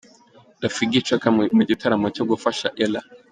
Rafiki Coga mu gitaramo cyo gufasha Ella.